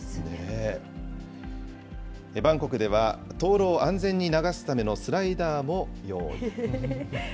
バンコクでは、灯籠を安全に流すためのスライダーも用意。